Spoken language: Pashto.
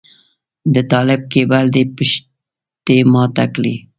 د طالب کيبل دې پښتۍ ماتې کړې.